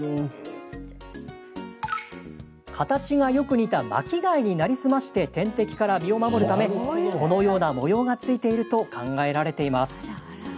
形がよく似た巻貝になりすまして天敵から身を守るためこのような模様がついていると考えられています。